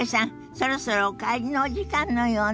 そろそろお帰りのお時間のようね。